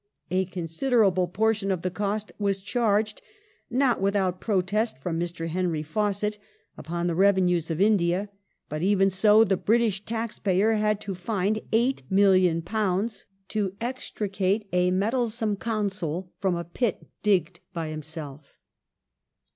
A considerable portion of the cost was charged, not without protest from Mr. Henry Fawcett, upon the revenues of India ; but even so, the British taxpayer had to find £8,000,000 to extricate a meddlesome Consul from a pit digged by himself.